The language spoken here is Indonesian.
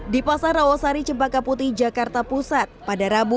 di pasar rawasari cempaka putih jakarta pusat pada rabu